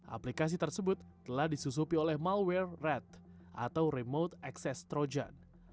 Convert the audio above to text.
aplikasi tersebut telah disusupi oleh malware rat atau remote access trojan